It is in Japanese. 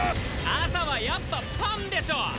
朝はやっぱパンでしょ！